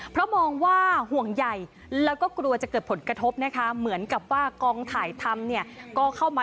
เพราะมองว่าห่วงใหญ่แล้วก็กลัวจะเกิดผลกระทบนะคะ